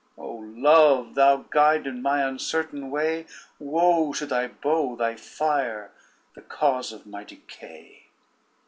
O Love! thou guide in my uncertain way, Woe to thy bow, thy fire, the cause of my decay.